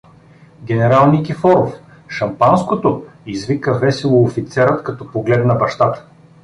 — Генерал Никифоров! — Шампанското! — извика весело офицерът, като погледна бащата.